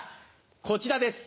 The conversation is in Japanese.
こちらです。